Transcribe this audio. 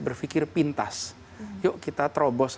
berpikir pintas yuk kita terobos